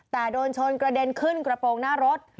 แต่โดนชนกระเด็นขึ้นกระโปรงหน้ารถ